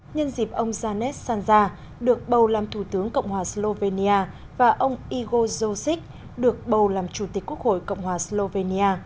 nhân dịp ông zanet sanja được bầu làm thủ tướng cộng hòa slovenia và ông igor zosic được bầu làm chủ tịch quốc hội cộng hòa slovenia